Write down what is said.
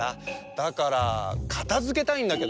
だからかたづけたいんだけど。